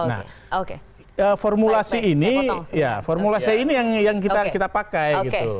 nah formulasi ini yang kita pakai